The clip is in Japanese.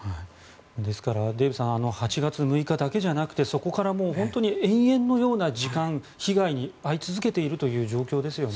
ですからデーブさん８月６日だけじゃなくてそこから本当に永遠のような時間被害に遭い続けているという状況ですよね。